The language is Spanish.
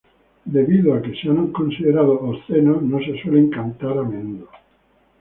Debido a que se han considerado "obscenos", no se suelen cantar a menudo.